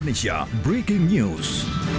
indonesia breaking news